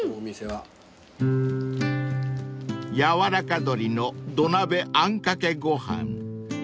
［やわらか鶏の土鍋あんかけご飯］